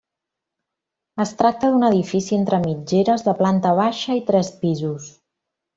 Es tracta d'un edifici entre mitgeres de planta baixa i tres pisos.